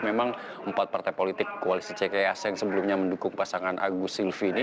memang empat partai politik koalisi ckh yang sebelumnya mendukung pasangan agus silvini